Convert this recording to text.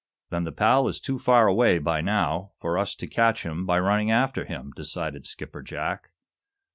"Then the pal is too far away, by this time, for us to catch him by running after him," decided Skipper Jack.